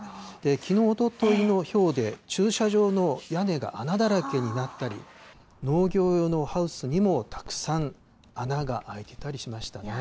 きのう、おとといのひょうで、駐車場の屋根が穴だらけになったり、農業用のハウスにも、たくさん穴が開いてたりしましたね。